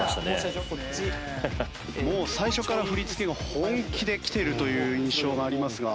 もう最初から振り付けが本気できているという印象がありますが。